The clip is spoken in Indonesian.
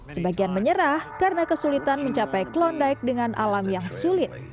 sebagian menyerah karena kesulitan mencapai klondike dengan alam yang sulit